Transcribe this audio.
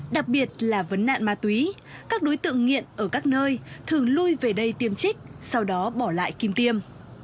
đặc biệt là vấn nạn ma túy các đối tượng nghiện ở các nơi thường lui về đây tiêm trích sau đó bỏ lại kim tiêm